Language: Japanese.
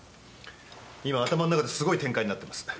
今頭ん中ですごい展開になってます。